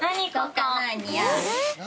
「何？